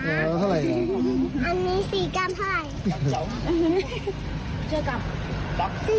อันนี้๔การเท่าไร